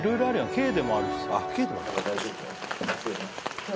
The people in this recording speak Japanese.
軽でもあるしさ。